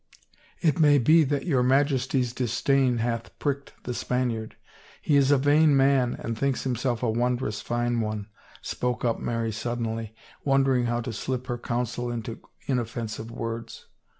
" It may be that your Majesty's disdain hath pricked the Spaniard. He is a vain man and thinks himself a wondrous fine one," spoke up Mary suddenly, wondering how to slip her counsel into inoffensive words.